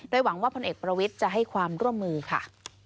หวังว่าพลเอกประวิทย์จะให้ความร่วมมือค่ะ